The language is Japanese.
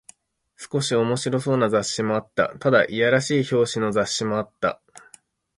少し面白そうな雑誌もあった。ただ、いやらしい表紙の雑誌もあった。